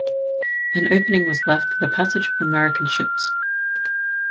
An opening was left for the passage of American ships.